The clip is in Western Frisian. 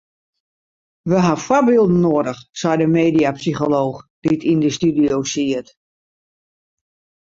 We ha foarbylden noadich sei de mediapsycholooch dy't yn de studio siet.